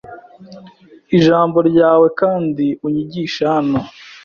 Ijambo ryawe kandi unyigishe hano